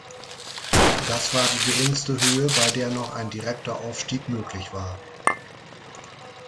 Das war die geringste Höhe, bei der noch ein direkter Aufstieg möglich war.